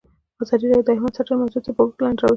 ازادي راډیو د حیوان ساتنه موضوع تر پوښښ لاندې راوستې.